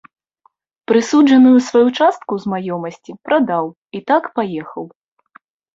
Прысуджаную сваю частку з маёмасці прадаў і так паехаў.